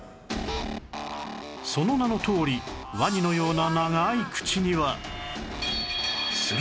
その名のとおりワニのような長い口には